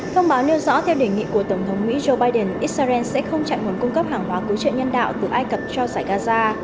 thông báo nêu rõ theo đề nghị của tổng thống mỹ joe biden israel sẽ không chạy nguồn cung cấp hàng hóa cứu trợ nhân đạo từ ai cập cho giải gaza